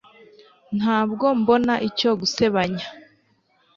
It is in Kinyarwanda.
Ntabwo mbona icyo gusebanya